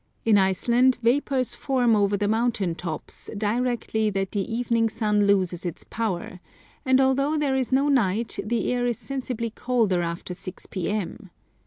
In Iceland vapours form over the mountain tops directly that the evening sun loses its power, and although there is no night, the air is sensibly colder after 6 P.M.